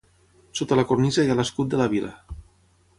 Sota la cornisa hi ha l'escut de la vila.